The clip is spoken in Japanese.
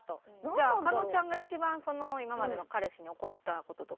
じゃあ加納ちゃんが一番今までの彼氏に怒った事とか。